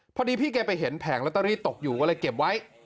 พอดีพี่แกไปเห็นแผงลอตเตอรี่ตกอยู่ก็เลยเก็บไว้